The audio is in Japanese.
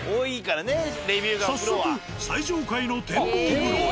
早速最上階の展望風呂へ。